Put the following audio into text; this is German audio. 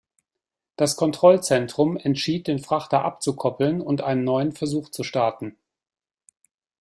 Das Kontrollzentrum entschied, den Frachter abzukoppeln und einen neuen Versuch zu starten.